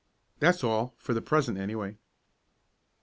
"That's all, for the present, anyway."